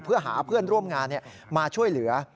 เพื่อหาเพื่อนร่วมงานมาช่วยเหลือ